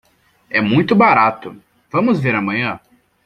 É muito barato, vamos ver amanhã.